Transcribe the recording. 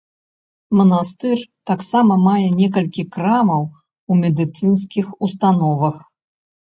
Манастыр таксама мае некалькі крамаў у медыцынскіх установах.